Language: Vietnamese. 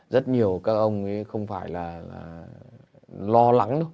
rất nhiều các ông ấy không phải là lo lắng nữa